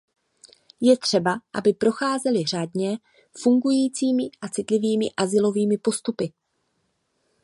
Je třeba, aby procházeli řádně fungujícími a citlivými azylovými postupy.